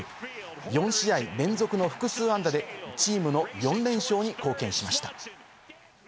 ４試合連続の複数安打でチームの４連勝に貢献しました。